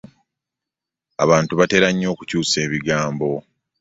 Abantu batera nnyo okukyusa ebigambo .